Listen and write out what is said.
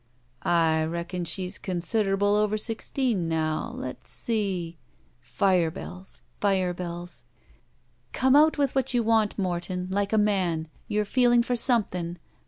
"I reckon she's considerable over sixteen now. Let's see —" Pire bells. Pire bells. "Come out with what you want, Morton, like a man! You're feeling for something.